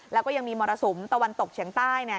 แล้วก็ยังมีมรสุมตะวันตกเฉียงใต้เนี่ย